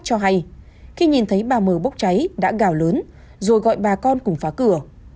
cho hay khi nhìn thấy bà mờ bốc cháy đã gào lớn rồi gọi bà con cùng phá cửa